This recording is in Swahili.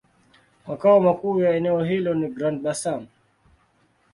Makao makuu ya eneo hilo ni Grand-Bassam.